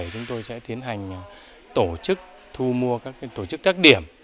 chúng tôi sẽ tiến hành tổ chức thu mua các tổ chức các điểm